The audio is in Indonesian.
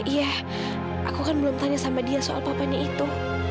iya aku kan belum tanya sama dia soal papanya itu